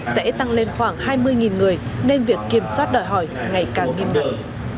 sẽ tăng lên khoảng hai mươi người nên việc kiểm soát đòi hỏi ngày càng nghiêm đẩy